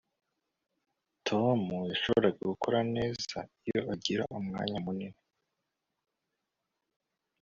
Tom yashoboraga gukora neza iyo agira umwanya munini